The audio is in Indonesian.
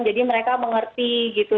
jadi mereka mengerti gitu